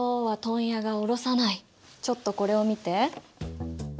ちょっとこれを見て。